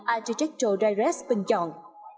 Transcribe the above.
architectural directs bình chọn